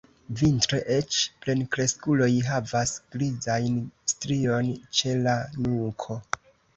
Vintre eĉ plenkreskuloj havas grizajn strion ĉe la nuko.